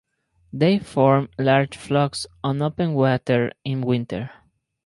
They form large flocks on open water in winter.